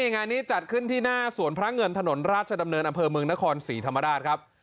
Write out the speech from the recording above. งานนี้จัดขึ้นที่หน้าสวนพระเงินถนนราชดำเนินอำเภอเมืองนครศรีธรรมราชครับ